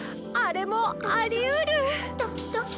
あれもありうる！